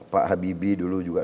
pak habibie dulu juga